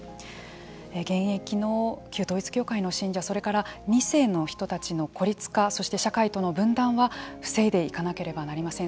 現役の旧統一教会の信者それから２世の人たちの孤立化そして社会との分断は防いでいかなければなりません。